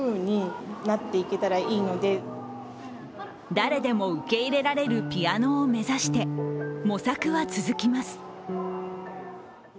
誰でも受け入れられるピアノを目指して、模索は続きます。